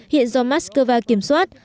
hiện do moscow kiểm soát